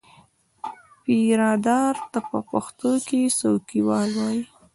پیرهدار ته په پښتو کې څوکیوال وایي.